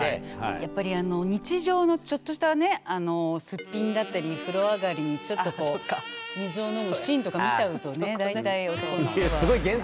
やっぱり日常のちょっとしたねすっぴんだったり風呂上がりにちょっとこう水を飲むシーンとか見ちゃうとね大体男の人は。